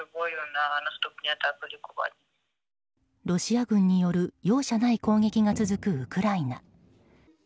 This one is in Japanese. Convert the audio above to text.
ロシア軍による容赦ない攻撃が続くウクライナ。